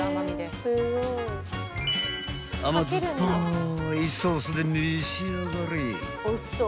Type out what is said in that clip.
［甘酸っぱいソースで召し上がれ］